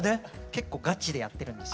結構ガチでやってるんです。